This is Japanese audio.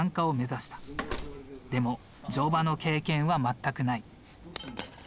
でも乗馬の経験は全くない。